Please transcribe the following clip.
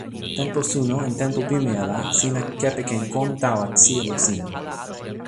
tenpo suno en tenpo pimeja la sina kepeken kon tawa sijelo sina.